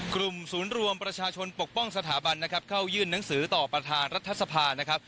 กลุ่มศูนย์รวมประชาชนปกป้องสถาบันนะครับเข้ายื่นหนังสือต่อประธานรัฐสภานะครับ